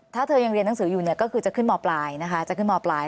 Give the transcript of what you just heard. ถ้าเธอยังเรียนหนังสืออยู่ก็คือจะขึ้นหมอปลาย